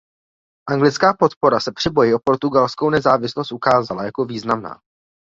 Anglická podpora se při boji o portugalskou nezávislost ukázala jako významná.